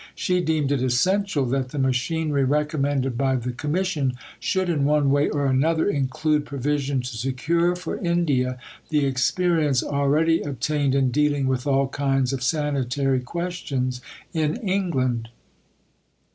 She deemed it essential that the machinery recommended by the Commission should in one way or another include provision to secure for India the experience already obtained in dealing with all kinds of sanitary questions in England.